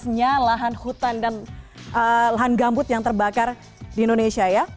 khususnya lahan hutan dan lahan gambut yang terbakar di indonesia ya